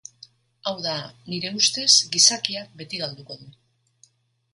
Hau da, nire ustez gizakiak beti galduko du.